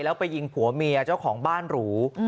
แล้วไปยิงผัวเมียเจ้าของบ้านหรู